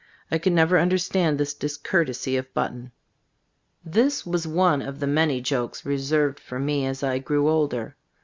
I could never understand this discourtesy of Button. This was one of the many jokes re served for me as I grew older.